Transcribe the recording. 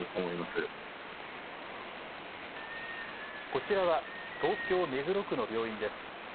こちらは東京・目黒区の病院です。